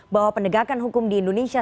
bahwa penegakan hukum di indonesia